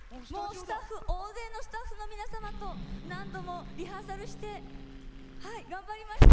大勢のスタッフの皆様と何度もリハーサルして頑張りました。